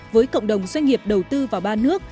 với cộng đồng doanh nghiệp đầu tư vào ba nước